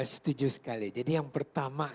setuju sekali jadi yang pertama